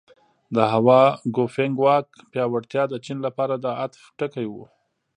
د هوا ګوفینګ واک پیاوړتیا د چین لپاره د عطف ټکی و.